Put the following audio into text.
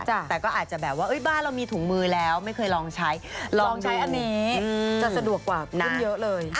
มาแต่ก็อาจจะแบบว่าอุ๊ยบ้าเรามีถุงมือแล้วไม่เคยลองใช้ลองใช้อันนี้